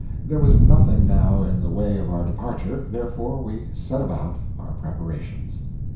There was nothing now in the way of our departure, therefore we set about our preparations.